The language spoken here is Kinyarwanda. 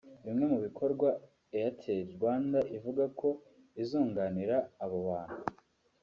Bimwe mu bikorwa Airtel Rwanda ivuga ko izunganira abo bantu